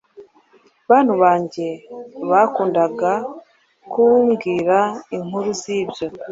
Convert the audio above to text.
Bantu banjye bakundaga kumbwira inkuru zibyo